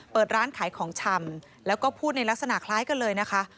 เปิดร้านขายของชำแล้วก็พูดในลักษณะคล้ายกันเลยนะคะ